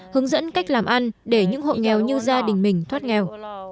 hướng dẫn cách làm ăn để những hộ nghèo như gia đình mình thoát nghèo